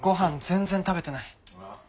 全然食べてない。